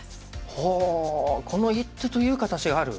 ほうこの一手という形がある。